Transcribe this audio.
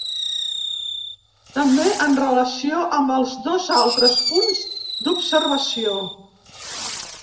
També en relació amb els dos altres punts d'observació.